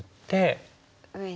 上に。